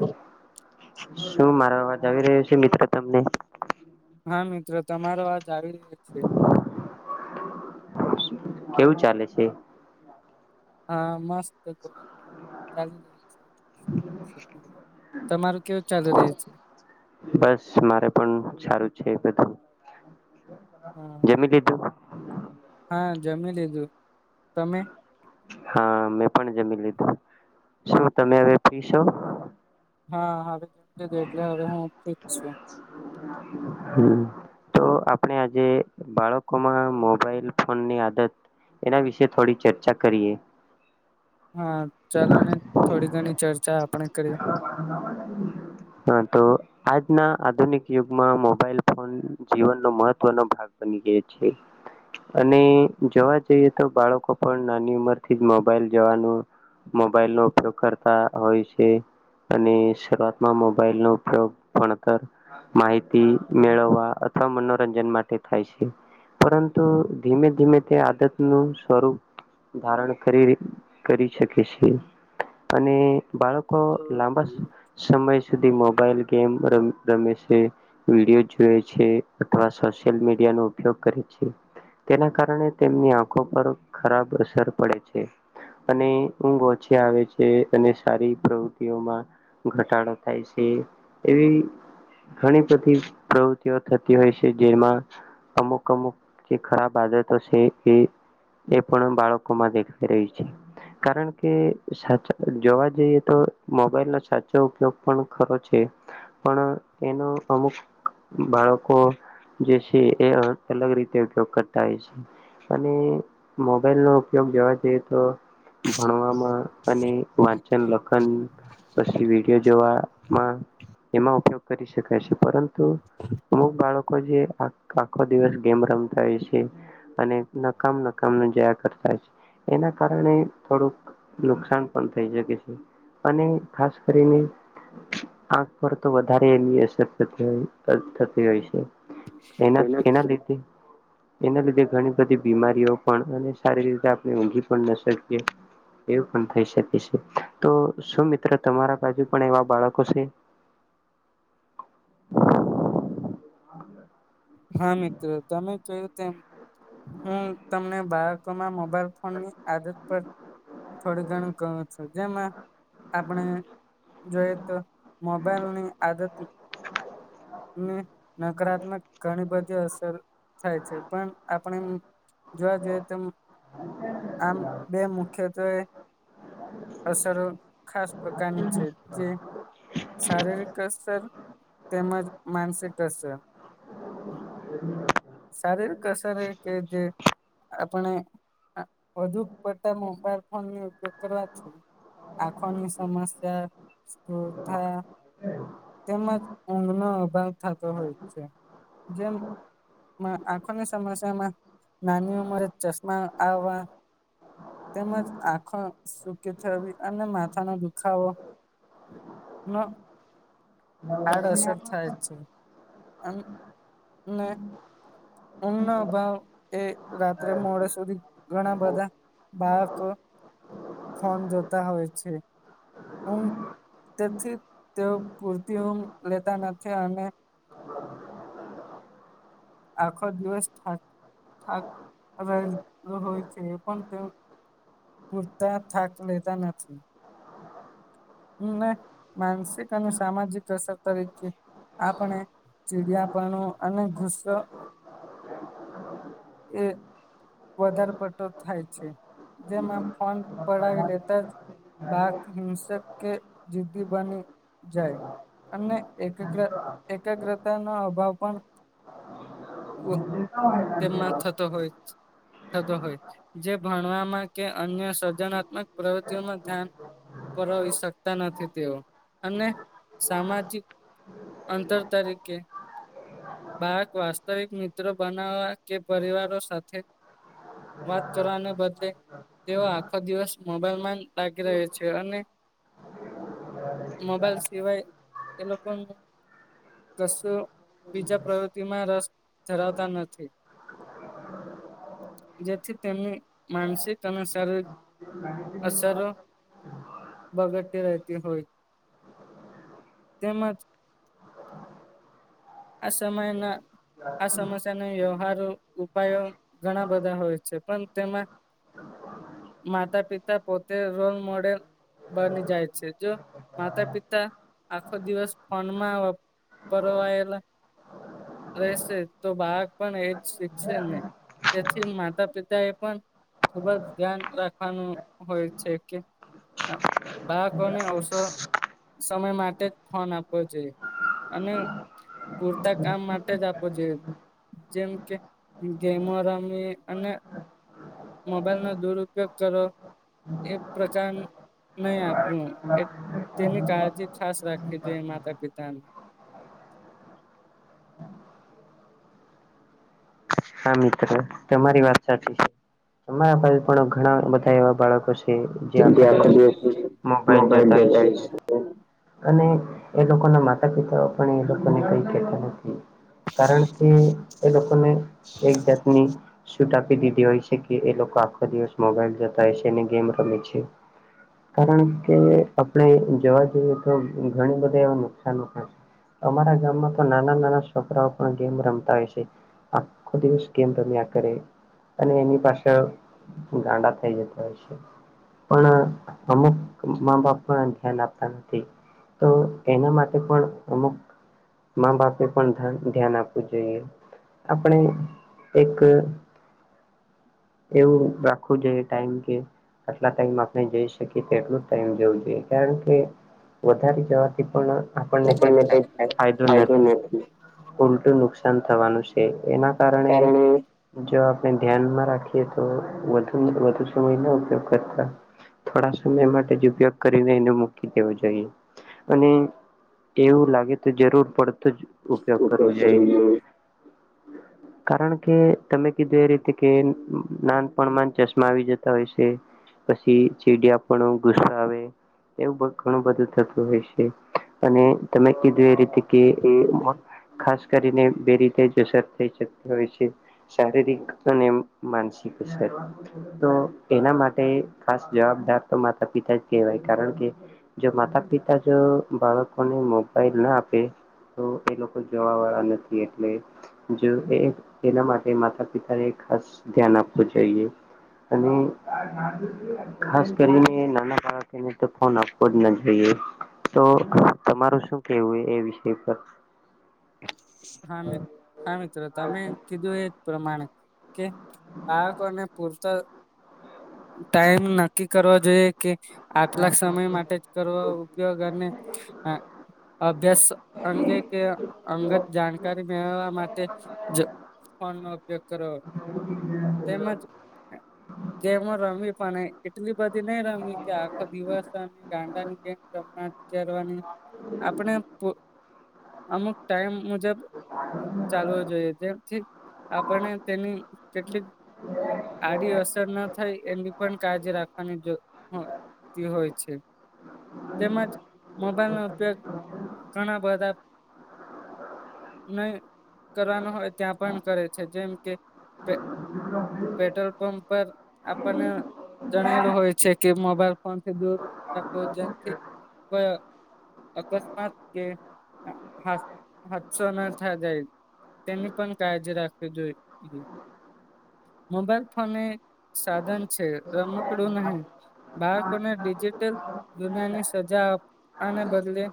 હ શું મારો અવાજ આવી રહ્યો છે મિત્રો તમને? હા મિત્રો તમારો આવાજ આવી રહ્યો છે. કેવું ચાલે છે. હા મસ્ત [inaudible] તમારું કેવું ચાલી રહ્યું છે. બસ મારે પણ સારું છે બધું જમી લીધું? હા જમી લીધું હા મે પણ જમી લીધું શું તમે હવે ફ્રી શો? હા હવે જમી લીધુ એટલે હવે હું ઠીક છું. હ તો આપણે આજે બાળકોમાં મોબાઈલ ફોનની આદત એના વિશે થોડી ચર્ચા કરીએ હા ચાલો ને થોડી ઘણી ચર્ચા આપણે કરીએ હા તો આજના આધુનિક યુગમાં મોબાઈલ ફોન જીવનનો મહત્વનો ભાગ બને ગયો છે. અને જોવા જઈએ તો બાળકો પણ નાની ઉંમરથી જ મોબાઈલ જોવાનું મોબાઈલનો ઉપયોગ કરતા હોય છે, અને શરૂઆત મા મોબાઈલનો ઉપયોગ ભણતર માહિતી મેળવવા અથવા મનોરંજન માટે થાય છે. પરંતુ ધીમે ધીમે તે આદતનું સ્વરૂપ ધારણ કરીરી કરી શકે છે, અને બાળકો લાંબા સમય સુધી મોબાઈલ ગેમ રમ રમે છે, વિડીયો જોય છે, અથવા સોશિલ મીડિયાનો ઉપયોગ કરે છે. તેના કારણે તેમની આંખો પર ખરાબ અસર પડે છે. અને ઊંઘ ઓછી આવે છે, અને સારી પ્રવૃતિઓમાં ઘટાડો થાય છે, એવી ઘણી બધી પ્રવૃતિઓ થતી હોય છે, જેમાં અમુક અમુક જે ખરાબ આદતો છે, એ એ પણ બાળકોમાં દેખાઈ રહ્યું છે. કારણ કે સાચે જોવા જઈએ તો મોબાઈલના સાચ ચો ઉપયોગ પણ ખરો છે, પણ એનો અમુક બાળકો જે છે, એ અલગ રીતે ઉપયોગ કરતા હોય છે. અને મોબાઈલનો ઉપયોગ જોવા જઈએ તો ભણવામાં અને વાંચન લખન પછી વિ ડીયો જોવામાં એમાં ઉપયોગ કરી શકાય છે, પરંતુ અમુક બાળકો જે આખો દિવસ ગેમ રમતા હોય છે. અને નકામ નકામ ના જોયા કરતા છે, એના કારણે થોડુંક નુકસાન પણ થઈ શકે છે, અને ખાસ કરીને આખ પર તો વધારે એની અસર થતી થતી હોય છે. એના એના લીધે એના લીધે ઘણી બધી બીમારીઓ પણ અને સારી રીતે આપણે ઊંઘી પણ ન શકીએ એવું પણ થઈ શકે છે, તો શું મિત્ર તમારા બાજુ પણ એવા બાળકો છે? [inaudible] હા મિત્રો તમે કયું તેમ હું તમને બાળકોમાં મો બાઈલ ફોનની આદત પર થોડું ઘણું કવુ છું જેમાં આપણે જોઈએ તો મોબાઈલની આદત ની નકારાત્મક ઘણી બધી અસર થાય છે, પણ આપણે જોવા જઈએ તેમ આમ બે મુખ્યત્વે. અસરો ખાસ પ્રકારનું છે, જે શારીરિક અસર, તેમજ માનસિક અસર. શારીરિક અસર એ કે જે આપણે વધુ પડતા મોબાઈલ ફોન ઉપયોગ કરવાથી એખ સમસ્યા, શ્રધા તેમજ ઊંઘનો અભાવ થતો હોય છે, જેમ આંખોની સમસ્યામાં, નાની ઉમરે ચશ્મા આવવા. તેમજ આંખો સુકી થવી અને માથાનો દુખાવો. નો આડઅસર થાય છે. ઊંઘનો અભાવ એ રાત્રે મોડે સુધી ઘણા બધા બાળકો ફોન જોતા હોય છે. મ તેથી તેઓ પૂરતી ઊઘ લેતા નથી અને આખો દિવસ થ હોય છે, એ તો પૂરતા થાક લેતા નથી. માનસિક અને સામાજિક અસર તરીકે આપણે ચીડિયાપણું અને ગુસ્સો હ [inaudible] એ વધારે પડતો થાય છે, જેમાં ફ પડાવી લેતા જ બાક હિંસક કે જીદી બની જાય, અને એક એકાગ્રતા ન અભાવ પણ તેમમાં થતો હોય. થતો હોય છે, જે ભણવામાં કે અન્ય સર્જનાત્મક પ્રવૃતિઓમાં ધ્યાન પરવી શકતા નથી તેઓ, અને સામાજિક અંતર તરીકે બાળક વાસ્તવિક મિત્રો બનાવવા કે પરિવારો સાથે વાત કરવાને બદલે. તેઓ આખો દિવસ મોબાઈલમાં લાગી રહ છે અને. મોબાઈલ સિવાય એ લોકોનું ગસ્સો બીજા પ્રવૃત્તિમાં રસ ધરાવતા નથી. જેથી તેમની માનસિક અને શારીરિક અસર બગત તી હોય, તેમજ આ સમય ન આ સમસ્યા ન હો ાર ઉપાયો ઘણા બધા હોય છે પણ તેમાં માતા પિતા પોતે રોલ મોડેલ બની જાય છે જો, માતા પિતા આખો દિવસ ફોનમાં પરવાએેલા હ [inaudible] રહેશે તો બાળક પણ એજ શીખશે ને. તેથી માતા પિતા એ પણ ખૂબ જ ધ્યાન રાખવાનું હોય છે કે બાળકોને અવસર સમય માટે જ ફોન આપવો જોઈએ, અને પૂરતા કામ માટે જ આપો જોઈએ. જેમ કે ગેમો રમી અને મોબાઈલ નો દુરુપયોગ કરો, એ પ્રચાર નહી આપ [inaudible] તેની કાળજી ખાસ રાખવી જોઈએ માતા પિતાને હા મિત્ર તમારી વાત સાચી છે તમારા પાસે પણ ઘણા બધા એવા બાળકો છે જે આખો દિવસ મોબાઈલ જોતા હોય સે અને એ લોકોના માતા પિતાઓ પણ એ લોકોને કઈ કેહેતા નથી કારણ કે એ લોકોને એક જાતની છૂટ આપી દીધી હોય છે કે એ લોકો આખો દિવસ મોબાઈલ જોતા હોય છેને ગેમ ર મેં છે. કારણ કે આપણે જોવા જઈએ તો ઘણી બધી એવા નુકસાન પણ છે. અમારા ગામમાં તો નાના નાના છોકરાઓ પણ ગેમ રમતા હોય છે. આખો દિવસ ગેમ રમ્યાં કરે. અને એની પાસે ગાંડા થઈ જતા હોય છે. પણ અમુક મા બાપ પણ ધ્યાન આપતા નથી. તો એના માટે પણ અમુક મા બાપે પણ ધ્યાન આપવું જોઈએ. આપણે એક એવું રાખવું જોઈએ ટાઈમ કે આટલા ટાઈમ આપણે જઈ શકીએ તેટલુ જ ટાઈમ જવું જોઈએ કારણ કે વધારે જવાથી આપણને કાય હોય છે આપણને કઈ ફાયદો નથી ઉલટું નુક સાન થવાનું છે એના કારણે જો ધ્યાનમાં રાખીએ તો વધુ વધુ સમય ન ઉપયોગ કરતા થોડા સમય માટે જ ઉપયોગ કરીને એને મૂકી દેવું જોઈએ અને એવું લાગે તો જરૂર પડતો જ ઉપયોગ કરવો જોઈએ. કારણ કે તમે કીધું એ રીતે કે નાનપણમાં જ ચશ્મા આવી જતા હોય છે. પછી ચીડિયા પનું ગુસ્સા આવે એવું ઘણું બધું થતું હોય છે અને તમે કીધું એ રીતે કે એ ખાસ કરીને બે રીતે જશે હોય છે શારીરિક અને માનસિક અસર તો એના માટે ખાસ જવાબદાર તો માતા પિતા જ કહેવાય કારણ કે જો માતા પિતા જો બાળકોને મોબાઈલ ન આપે તો એ લોકો જોવા વાળા નથી એટલે જો એના માટે માતા પિતાએ ખાસ ધ્યાન આપવું જોઈએ. અને ખાસ કરીને નાના બાળકેને તો ફોન આપવો જ ના જોઈએ. તો તમારું શું કેવું એ વિષય પર હા મિત હા મિત્રો તમે કીધું એ જ પ્રમાણે કે બાળકોને પૂરતા ટાઈમ નક્કી કરવા જોઈએ કે આટલાક સમય માટે જ કરવા ઉપયોગને હ અભ્યાસ અંગે કે અંગત જાણકારી મેળવવા માટે જ ફોન નો ઉપયોગ કરવો. [inaudible] ગેમો રમી પણ એટલી બધી નઈ રમી કે આખો દિવસ ગાંડાની ગેમ રમા કરવાની આપણે અમુક ટાઈમ મુજબ ચાલવો જોઈએ જેમથી આપણને તેની કેટલીક આડી અસર ના થાય એની પણ કાળજી રાખવાની [unintelligible] હોય છે. તેમજ મોબાઈલનો ઉપયોગ ઘણા બધા નહી કરવાનો હોય ત્યાં પણ કરે છે જેમ કે પેટ્રોલ પંપ પર આપણને જણાયેલું હોય છે કે મોબાઈલ ફોન થી દૂર રાખો જેથી અકસ્માત કે હાદસો ન થ જાય. તેની પણ કાળજી રાખવી જોઈ મોબાઈલ ફોને. સાધન છે રમકડું નહી બાળકોને ડિજિટલ દુનિયાની સજા આપ આને બદલે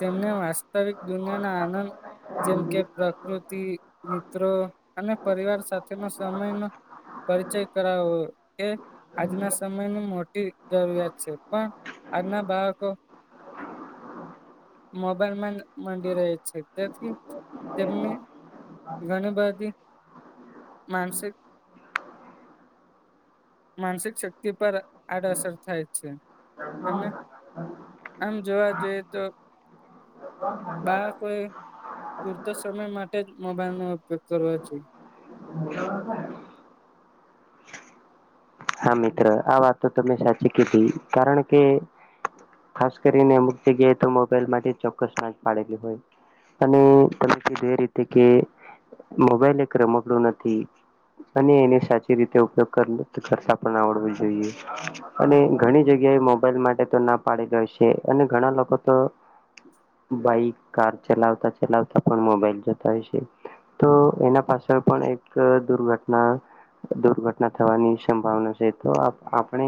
તેમને વાસ્તવિક દુનિયાના આનંદ. જેમ કે પ્રકૃતિ મિત્રો અને પરિવાર સાથેનો સમય ન [inaudible] પરિચય કરાવો એ આજના સમયની મોટી જરૂરિયાત છે પણ અના બાકો [inaudible] મોબલ માંડી રહે છે તેથી તેમને. ઘનવાદી માનસિક માનસિક શક્તિ પર આડઅસર થાય છે. [inaudible] આમ જોવા જોઈએ તો બાળકોએ પૂરતો સમય માટે જ મોબાઈલ નો ઉપયોગ કરવો જોઈએ. હા મિત્ર આ વાત તો તમે સાચી કીધી કારણ કે ખાસ કરીને અમક જગ્યાએ તો મોબાઈલ માટે ચોક્કસ ના પાડેલી હોય. અને તમે કીધું એ રીતે કે. મોબાઈલ એક રમકડું નથી અને એને સાચી રીતે ઉપયોગ કર આવ જોઈ અને ઘણી જગ્યાએ મોબાઈલ માટે તો ના પાડીે ગ છે અને ઘણા બાઈક કાર ચલાવતા ચલાવતા પણ મોબાઈલ જતા હોય છે. તો એના પાછળ પણ એક દુર્ઘટના દુર્ઘટના થવાની સંભાવના છે તો આપણે.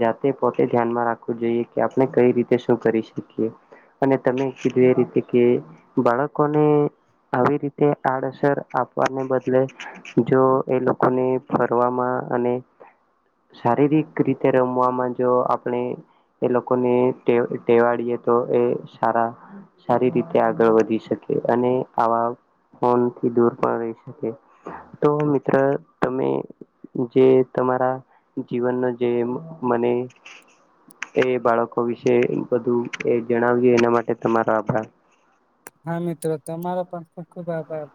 જાતે પોતે ધ્યાનમાં રાખવું જોઈએ કે આપણે કઈ રીતે શું કરી શકીએ. અને તમે કીધું એ રીતે કે બાળકોને. આવી રીતે આડઅસર આપવાને બદલે જો એ લોકોને ફરવામાં અને શારીરિક રીતે રમવામાં જો આપણે. એ લોકોને ટેવાડીીએ તો એ સારા સારી રીતે આગળ વધી શકે અને આવા ફોન થી દૂર પણ રહી શકે. તો મિત્ર તમે જે તમારા જીવનનો જે મને એ બાળકો વિશે બધું એ જણાવજે એના માટે તમારો આભાર. હા મિત્રો તમારો પણ ખુબ ખુબ આભાર.